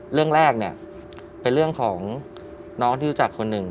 เรื่องแรกเนี่ยเป็นเรื่องของน้องที่รู้จักคนหนึ่ง